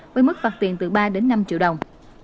với mức phạt tiền từ ba đến năm triệu đồng